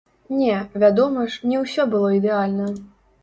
Не, вядома ж, не ўсё было ідэальна!